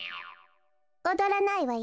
おどらないわよ。